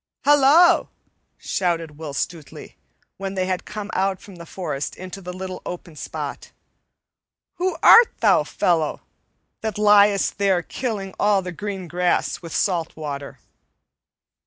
"Halloa!" shouted Will Stutely, when they had come out from the forest into the little open spot. "Who art thou, fellow, that liest there killing all the green grass with salt water?"